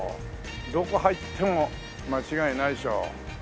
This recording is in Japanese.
どこ入っても間違いないでしょう。